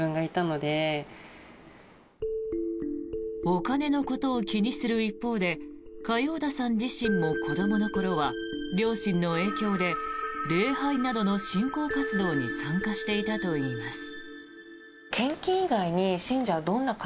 お金のことを気にする一方で嘉陽田さん自身も子どもの頃は両親の影響で礼拝などの信仰活動に参加していたといいます。